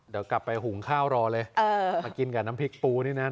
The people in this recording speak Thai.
เดี๋ยวกลับไปหุงข้าวรอเลยมากินกับน้ำพริกปูนี่นะ